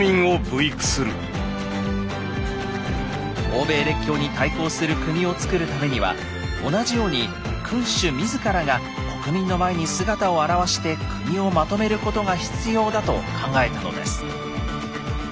欧米列強に対抗する国をつくるためには同じように君主自らが国民の前に姿を現して国をまとめることが必要だと考えたのです。